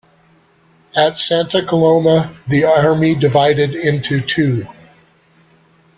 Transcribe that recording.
At Santa Coloma, the army divided into two.